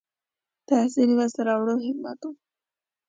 • د تحصیل لاسته راوړل حکمت و.